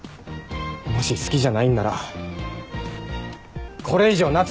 もし好きじゃないんならこれ以上夏海に近づくな！